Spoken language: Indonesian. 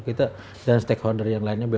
kita dan stakeholder yang lainnya